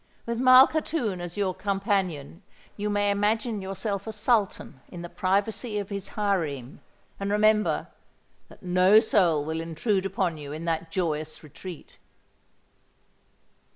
With Malkhatoun as your companion, you may imagine yourself a Sultan in the privacy of his harem; and, remember, that no soul will intrude upon you in that joyous retreat."